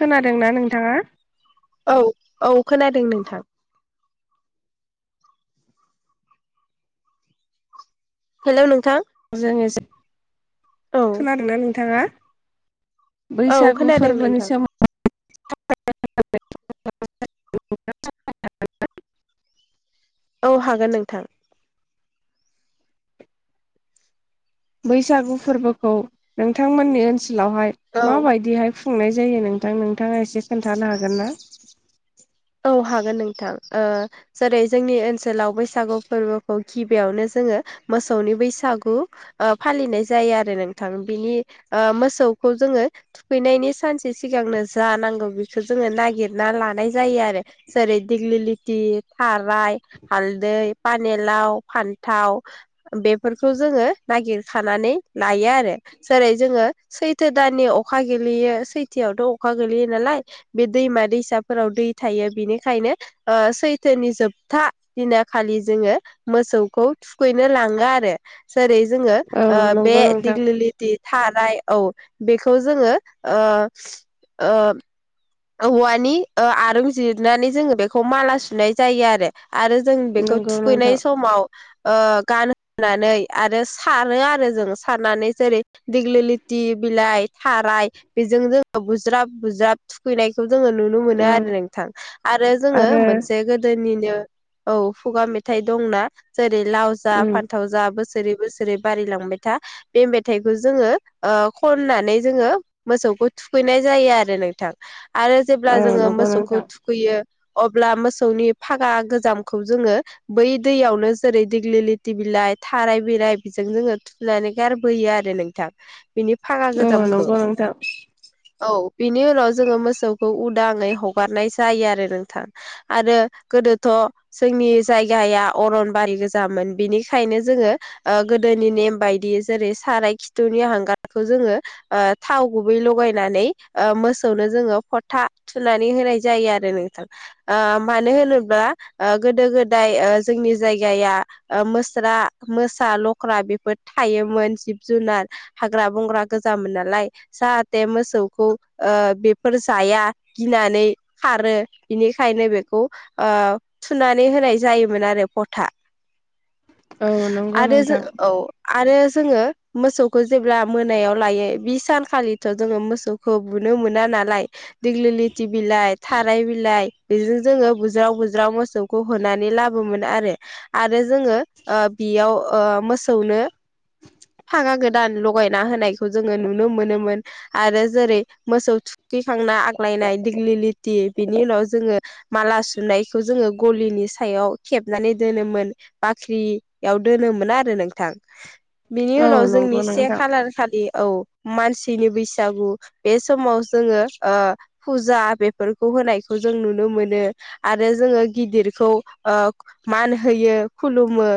खोनादोंना नोंथाङा औ औ खोनादों नोंथां हेल' नोंथां जोङो औ [inaudible] खोनादोंना नोंथाङा औ बैसागु खोनादों फोरबोनि नोंथां सोमोन [inaudible] औ हागोन नोंथां। बैसागु फोरबोखौ नोंथांमोननि ओनसोलावहाय औ माबायदिहाय खुंनाय जायो नोंथां नोंथाङा एसे खोनथानो हागोन ना? औ हागोन नोंथां ओ जेरै जोंनि ओनसोलाव बैसागु फोरबोखौ गिबियावनो जोङो मोसौनि बैसागु फालिनाय ओ जायो आरो नोंथां बिनि ओ मोसौखौ जों जोङो थुखैनायनि सानसे सिगांनो जा नांगौ बेखौ जोङो नागिरना लानाय जा आरो। जेरै दिग्लिलिथि थाराय हालदै पानेलाव फान थाव ओ बेफोरखौ जोङो नागिरखानानै लायो आरो। जेरै जोङो सैथो दाननि अखा गोलैयो सैथोआवथ' अखा गोलैयो नालाय बे दैमा दैसा फोराव दै थायो बिनिखायनो ओ सैथोनि जोबथा दिना खालि जोङो मो मोसौखौ थुखैनो लाङो आरो जेरै जोङो औ बे नंगौ नोंथां दिगलिलिथि थाराय औ बेखौ जोङो ओ ओ औवानि आरुन जिरनानै जोङो बेखौ माला सुनाय जायो आरो आरो जों बेखौ नंगौ नोंथां थुखैनाय समाव ओ गानहानै आरो सारो आरो जों सारनानै जेरै दिग्लि लिथि बिलाइ थाराय बेजों जोङो बुज्राब बुज्राब थुखैनायखौ जोङो नुनो मोनो औ आरो नोंथां। आरो जोङो मोनसे गोदोनिनो औ खुगा मेथाइ दंना जेरै लाव जा उम फान्थाव जा बोसोर बोसोरै बोसोरै बारिलांबाय था। बे मेथाइखौ जोङो खननानै जोङो मोसौ खौ थुखैनाय जायो आरो नोंथांव आरो औ जेब्ला जोङो नंगौ मोसौखौ नोंथां थुखैयो अब्ला मोसौनि फागा गोजामखौ जोङो बै दैयावनो जेरै दिग्लिलिथि बिलाइ थाराय बेलाइ बिजों जोङो थुनानै गारबोयो आरो नोंथां बिनि फारा औ गोजामखौ नंगौ नोंथां औ बिनि उनाव जोङो मोसौखौ उदाङै हगारनाय जायो आरो नोंथां आरो गोदोथ' जोंनि जायगाया अरन बारि गोजामोन बिनिखायनो जोङो ओ दोनि नेम बायदि जो जेरै साराइ खिथुनि हांगारखौ जोङो ओ थाव गुबै लगायनानै ओ मोसौ नो जोङो फथा थुनानै होनाय जायो आरो नोंथां ओ मानो होनोब्ला ओ गोदो गोदाय ओ जोंनि जायगाया ओ मोस्रा मोसा लख्रा बेफोर थायो मोन जिब जुनार हाग्रा बंग्रा गोजामोन नालाय जाहाथे मोसौखौ ओ बेफोर जाया गिनानै खारो बिनिखायनो बेखौ थुनानै होनाय जायोमोन आरो फथा [inaudible] नंगौ आरो जों नोंथां औ आरो जोङो मोसौखौ जेब्ला मोनायाव लायो बि सानखालिथ' जोङो मोसौखौ बुनो मोना नालाय दिग्लिलिथि बिलाइ थाराय बिलाइ बेजों जोङो बु ज्राव बुज्राव मोसौखौ होनानै लाबोमोन आरो। आरो जोङो ओ बेयाव ओ मो सौनो फागा गोदान लगायना होनायखौ जोङो नुनो मोनोमोन आरो जेरै मोसौ थुखैखांना आग्लायनाय दिग्लि लिथि बिनि उनाव जोङो माला सुनायखौ जोङो गलिनि सायाव खेबनानै दोनोमोन बाख्रियाव दोनोमोन आरो नोंथां बिनि औ उनाव जोंनि नंगौ से नोंथां खालार खालि औ मानसिनि बैसागु बे समाव जोङो ओ फुजा बेफोरखौ होनायखौ जों नुनो मोनो आरो जोङो गिदिरखौ ओ मान होयो खुलुमो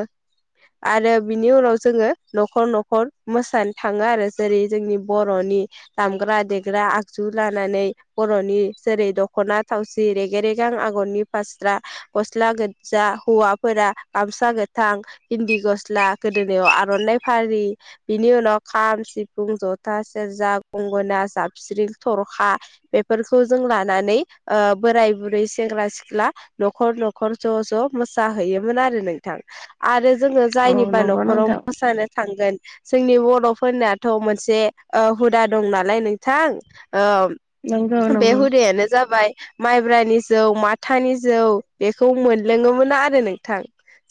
आरो बिनि उनाव जोङो न'खर न'खर मोसानो थाङो आरो जेरै जोंनि बर' नि दामग्रा दे ग्रा आगजु लानानै बर'नि जेरै दख'ना थावसि रेगे रेगां आगरनि फा स्रा गस्ला गोज्जा हौवाफोरा गामसा गोथां इन्दि गस्ला गोदोनायाव आर'नाइ फालि बिनि उनाव खाम, सिफुं, जथा, सेर्जा, गंगना जाब स्रिं थरखा बेफोरखौ जों लानानै ओ बोराय बुरै सेंग्रा सिख्ला न'खर न'खर ज' ज' मोसाहैयोमोन आरो नोंथां आरो जोङो औ जायनिबा नंगौ नोंथां न'खराव मोसानो थांगोन जोंनि बर'फोरनाथ' मोनसे ओ हुदा दं नालाय नोंथां ओ नंगौ बे नंगौ हुदायानो जाबाय माइब्रानि जौ माथानि जौ बेखौ मोनलोङोमोन आरो नोंथां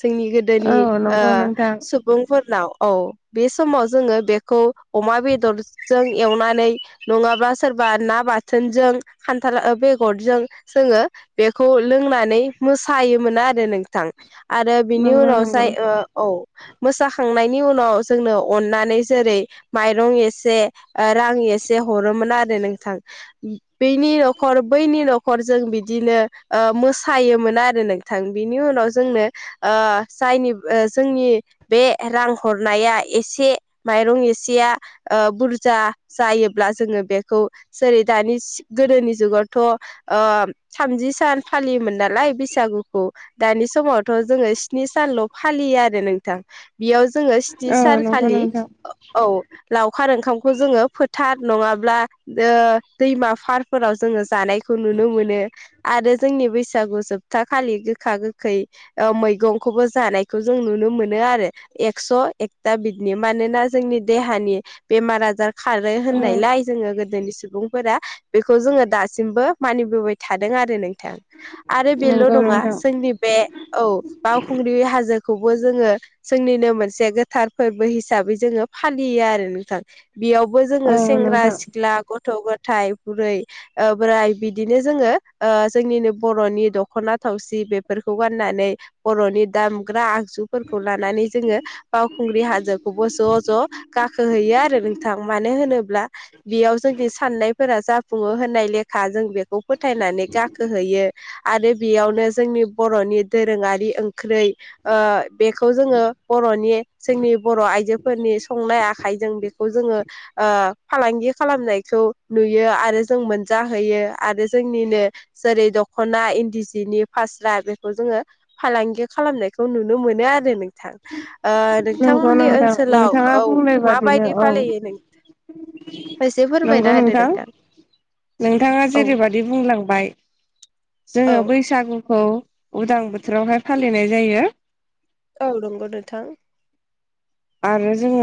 जोंनि गोदोनि औ ओ नंगौ नोंथां सुबुंफोरनाव औ बे समाव जोङो बेखौ अमा बेदरजों एवनानै नङाबा सोरबा ना बाथोनजों खान्थाल बेगरजों जोङो बेखौ लों नानै मोसायोमोन आरो नोंथां आरो बिनि नंगौ उनाव नंगौ जाय औ मोसाखांनायनि उनाव जोंनो अननानै जेरै माइरं एसे रां ए से हरोमोन आरो नोंथां बेनि न'खर बैनि न'खर जों बिदिनो ओ मोसायोमोन आरो नोंथां बिनि उनाव जोंनो ओ जायनि जोंनि बे रां हरनाया एसे माइरं एसेया ओ बुरजा जायो ब्ला जोङो बेखौ जेरै दानि गोदोनि जुगावथ' ओ थामजि सान फालियोमोन नालाय बैसागुखौ दानि समावथ' जोङो स्नि सानल' फालियो आरो नोंथां बेयाव जोङो स्नि औ नंगौ सानखालि नोंथां औ लावखार ओंखामखौ जोङो फो थार नङाब्ला ओ दैमा फारफोराव जोङो जानायखौ नुनो मोनो। आरो जोंनि बैसागु जोबथा खालि गोखा गोखै ओ मैगंखौबो जानायखौ जों नु नो आरो एक्स एकता बितनि मोनोना जोंनि देहानि बेमार आजार खा रो औ होननायलाय जोङो गोदोनि सुबुंफोरा बेखौ जोङो दासिमबो मानिबोबाय थादों आरो नों थां आरो बेल' नंगौ नङा नोंथां जोंनि बे औ बावखुंग्रि हाजो खौबो जोङो जोंनिनो मोनसे गोथार फोरबो हिसाबै जोङो फालियो आरो नोंथां बियाव बो जोङो औ सेंग्रा नोंथां सिख्ला गथ' ग थाय बुरै ओ बोराय बिदिनो जोङो ओ जोंनिनो बर'नि दखना थावसि बेफोरखौ गाननानै बर'नि दामग्रा आग जुफोरखौ लानानै जोङो बावखुंग्रि हाजोखौबो ज' ज' गाखोहैयो आरो नोंथां मानो होनोब्ला बेयाव जोंनि साननायफोरा जाफुङो होननाय लेखा जों बेखौ फोथायनानै गाखोहैयो आरो बेयावनो जोंनि बर'नि दोरोङारि ओं ख्रै ओ बेखौ जोङो बर'नि जोंनि बर' आइजोफोरनि संनाय आखाइजों बे ओ फालांगि खालामनायखौ नुयो आरो जों मोनजाहैयो आरो जोंनिनो जेरै दख'ना इन्दि सिनि फास्रा बेखौ जोङो फालांगि खालामनायखौ नुनो मो मोनो आरो नोंथां ओ नंगौ नोंथांमोननि नोंथां ओनसोलाव नोंथाङा औ बुंनाय बादिनो माबायदि औ फालियो नों [inaudible] एसे फोरमायना होदो नोंथां। नोंथाङा जेरैबायदि बुंलांबाय जोङो बैसागु खौ उदां बोथोरावहाय फालिनाय जायो। औ नंगौ नोंथां। आरो जोङो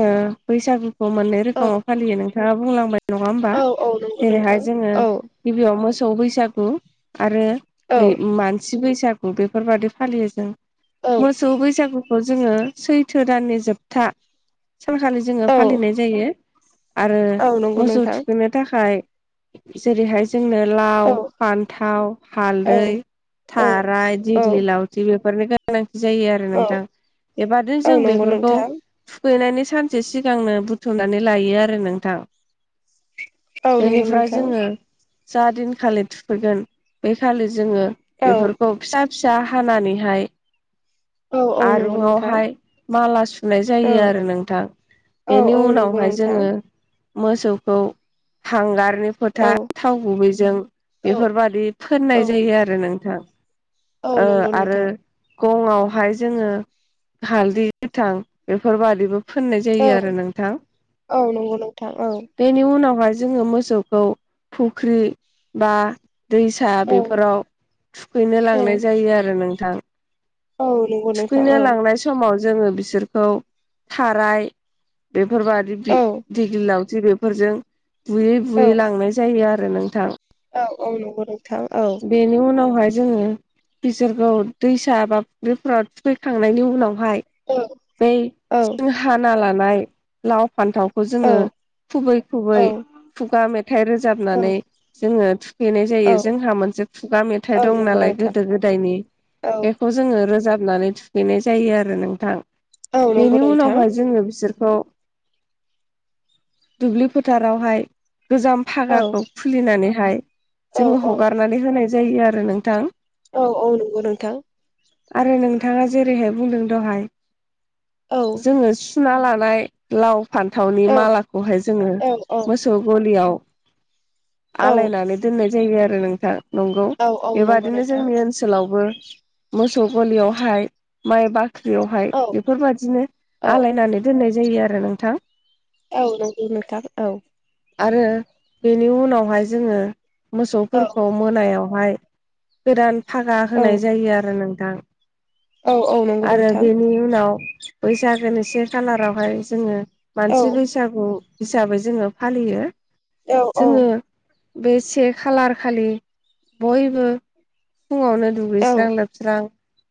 बैसागुखौ मोननै औ रोखोमाव फालियो नोंथाङा बुंलांबाय नङा होमबा औ औ नंगौ नोंथां जेरैहाय जोङो औ नंगौ नोंथां औ गिबियाव मो मोसौ बैसागु आरो औ नै मानसि बैसागु बेफोरबादि फालियो जों औ मोसौ बैसागुखौ जोङो सैथो दाननि जोबथा सानखालि जोङो औ फालिनाय जायो आरो औ नंगौ मोसौ नोंथां थुखैनो थाखाय जेरैहाय जोंनो लाव औ फान्थाव औ हालदै थाराय दिग्लि औ लावथि बे बेफोरनि गोनांथि जायो आरो औ नोंथां एबा औ जों नंगौ बेफोरखौ नोंथां थुखैनायनि सानसे सिगांनो बुथुमनानै लायो आरो नोंथां औ नंगौ बेनिफ्राय नोंथां जोङो जा दिनखालि थुखैगोन बे खालि जोङो औ बेफोरखौ फिसा फिसा हानानैहाय औ औ नंगौ नोंथां आरुंवाहाय माला सु औ यो आरो नोंथां औ बेनि औ नंगौ उनावहाय नोंथां जोङो मोसौखौ हांगार नि औ फोथा थाव गुबैजों औ बेफोरबादि औ फोननाय जायो आरो नोंथां औ ओ नंगौ आरो नोंथां गङावहाय जोङो हालदै गोथां बेफोरबादिबो फोननाय औ जायो आरो नोंथां औ नंगौ नोंथां औ बेनि उनावहाय जोङो मोसौखौ फुख्रि बा दैसा औ बेफोराव थुखैनो लांनाय जायो आरो नोंथां औ नंगौ नोंथां थुखैनो औ लांनाय समाव जोङो बिसोरखौ थाराय बेफोरबादि औ दिगलि लावथि बे फोरजों बुयै बुयै लांनाय जायो आरो नोंथां औ नंगौ नंगौ बेनि उनावहाय जोङो बिसोरखौ दैसा बा फुख्रिफोराव थुखैखांनायनि उनाव औ बै औ जों हाना लानाय लाव फान्थावखौ औ जोङो खुबै खुबै खुगा मेथाइ रोजाबनानै जोङो थुखैनाय औ जायो जों मोनसे खुगा मेथाइ औ दं नंगौ नालाय नोंथां गोदो गोदायनि औ बेखौ जोङो रोजाबनानै थुखैनाय जायो आरो नोंथां औ नंगौ बेनि नोंथां उनावहाय जोङो बिसोर खौ दुब्लि फोथारावहाय गोजाम औ भागाखौ खुलिनानैहाय जोङो हगारनानै होनाय जायो आरो नोंथां औ औ नंगौ नोंथां आरो नोंथाङा जेरैहाय बुंदों दहाय औ नंगौ जोङो सुना लानाय लाव नोंथां औ फान्थावनि मालाखौहाय जोङो औ औ मोसौ गलियाव औ आलायनानै दोननाय जायो आरो नोंथां नंगौ औ औ नंगौ बेबादिनो नोंथां जोंनि ओनसोलावबो मोसौ गलियावहाय माइ बा ख्रियावहाय औ बेफोरबायाददिनो औ आलायनानै दोननाय जायो आरो नोंथां औ नंगौ नोथां औ आरो बेनि उनावहाय जोङो औ मोसौफोरखौ मोनायावहाय गोदान फागा औ होनाय जायो आरो नोंथां औ औ नंगौ आरो नोंथां बेनि उनाव बैसागोनि से खालारावहाय जोङो औ मानसि बैसागु हिसाबै जोङो फालियो औ औ जोङो बे से खालार खालि बयबो फुङावनो औ दुगैस्रां लोबस्रां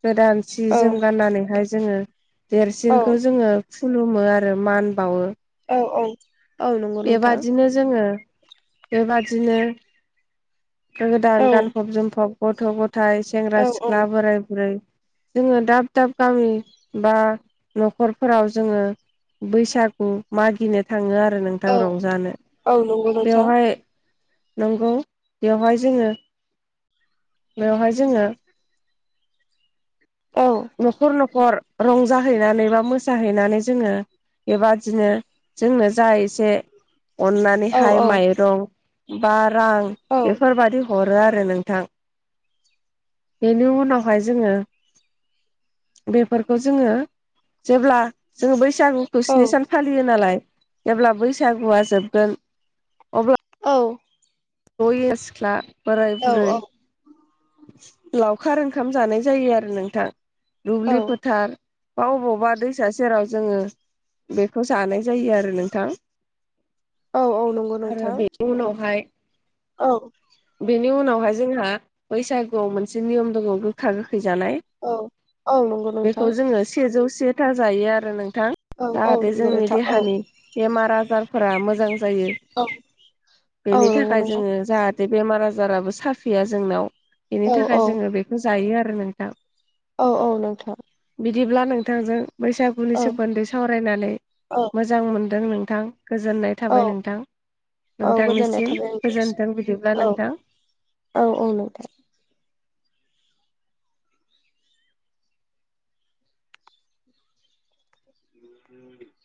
गोदान सि जोम गाननानैहाय जोङो औ देरसिनखौ जोङो खुलुमो आरो मान बावो औ औ औ नंगौ नोंथां बेबादिनो जोङो बेबादिनो गोदान औ गानफब जोमफब गथ' गथ' थाय सेंग्रा औ सिख्ला बोराय बुरै जोङो दाब दाब गामि बा न'खरफोराव जोङो बैसागु मागिनो थाङो आरो नोंथां औ रंजानो औ नंगौ नोंथां बेयावहाय नंगौ बेवहाय जोङो बेवहाय जोङो औ न'खर न'खर रंजाहैनानै बा मोसाहैनानै जोङो बेबादिनो जोंनो जा एसे औ औ अननानैहाय माइरं बा रां बेफोरबायादि हरो आरो नोंथां बेनि उनावहाय जोङो बेफोरखौ जोङो जेब्ला जोङो बैसागुखौ स्नि सान फालियो नालाय जेब्ला बैसागुआ जोबगोन अब्ला औ जयै सिख्ला बोराय औ बुरै लावखार ओंखाम जानाय जायो आरो नोंथां दुब्लि फोथार बा अबावबा दैसा सेराव जोङो बेखौ जानाय जायो आरो नोंथां औ नंगौ आरो नोंथां बेनि उनावहाय औ बेवहाय जोंहा बैसागुआव मोनसे नियम दङ गोथार फैजानाय औ औ नंगौ नोंथां औ नंगौ बेखौ नोंथां जोङो सेजौ सेथा जायो आरो नोंथां औ औ जाहाथे नंगौ जोंनि नोंथां औ देहानि औ बेमार आजारफोरा मोजां जायो औ बेनि औ थाखाय नोंथां जोङो जाहाथे बे बेमार आजाराबो साफिया जोंनाव बेनि थाखाय जोङो बेखौ जायो आरो नोंथां औ औ नोंथां बिदिब्ला नोंथांजों बैसागुनि सोमोन्दै सावरायनानै औ मोजां मोनदों नोंथां गोजोननाय औ थाबाय नोंथां औ गोजोननाय नोंथांनिसिम थाबाय नोंथांसिम गोजोनथों बिदि औ औ औ न दे उम